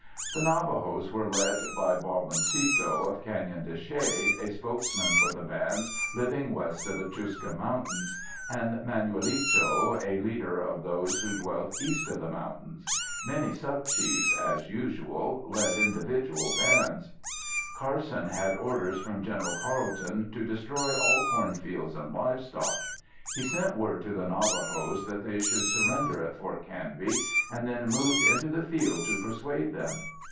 The Navajos were led by Barboncito of Canyon de Chelly, a spokesman for the bands living west of the Chuska Mountains, and Manuelito, a leader of those who dwelt east of the mountains. Many subchiefs, as usual, led individual bands. Carson had orders from General Carleton to destroy all cornfields and livestock. He sent word to the Navajos that they should surrender at Fort Canby, and then moved into the field to persuade them.